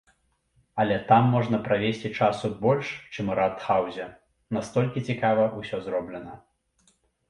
Але там можна правесці часу больш, чым у ратхаўзе, настолькі цікава ўсё зроблена!